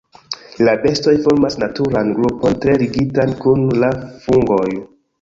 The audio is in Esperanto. La bestoj formas naturan grupon tre ligitan kun la fungoj.